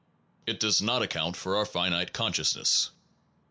It does not account for our finite con sciousness.